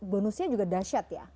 bonusnya juga dahsyat ya